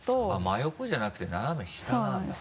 真横じゃなくて斜め下なんだ？